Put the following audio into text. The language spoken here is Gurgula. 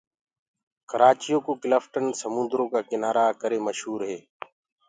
ڪرآچي يو ڪو ڪِلٽن سموندرو ڪنآرآ ڪرآ ڪري مشوُر هي۔